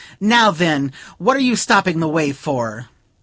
Now, then! what are you stopping the way for?"